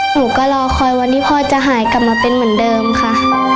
หนูก็รอคอยวันที่พ่อจะหายกลับมาเป็นเหมือนเดิมค่ะ